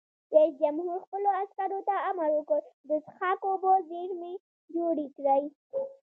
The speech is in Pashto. رئیس جمهور خپلو عسکرو ته امر وکړ؛ د څښاک اوبو زیرمې جوړې کړئ!